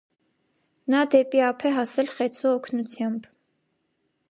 Նա դեպի ափ է հասել խեցու օգնությամբ։